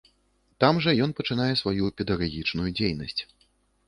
Там жа ён пачынае сваю педагагічную дзейнасць.